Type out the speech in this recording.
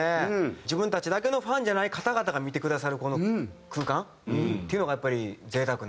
自分たちだけのファンじゃない方々が見てくださるこの空間っていうのがやっぱり贅沢な時間ですよね。